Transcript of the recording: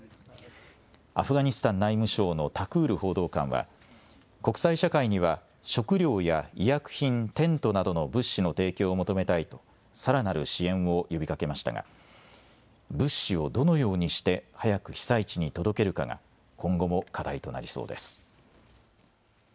アフガニスタン内務省のタクール報道官は国際社会には食料や医薬品、テントなどの物資の提供を求めたいとさらなる支援を呼びかけましたが物資をどのようにして早く被災地に届けるかが今後も課題となりそうです。